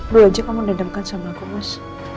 lu aja yang mendendamkan sama aku mas